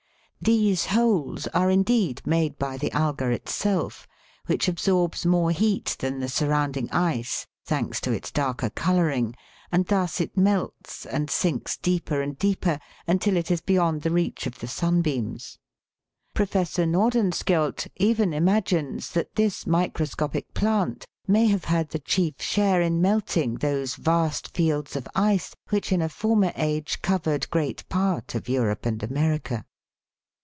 These holes are indeed made by the alga itself, which absorbs more heat than the surrounding ice, thanks to its darker colouring, and thus it melts and sinks deeper and deeper, until it is beyond the reach of the sunbeams. Professor Nordenskjold even imagines that this microscopic plant may have had the chief share in melting those vast fields of ice which in a former age covered great part of Europe and America.